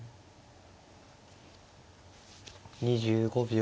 ２５秒。